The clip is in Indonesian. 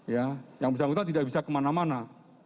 ya yang bersangkutan tidak bisa kemana mana